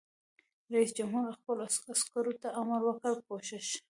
رئیس جمهور خپلو عسکرو ته امر وکړ؛ پوښښ!